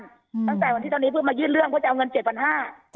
ตั้งแต่วันที่ตอนนี้เพิ่งมายื่นเรื่องก็จะเอาเงิน๗๕๐๐บาท